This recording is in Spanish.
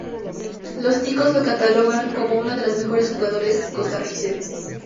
Los ticos lo catalogan como uno de los mejores jugadores costarricenses.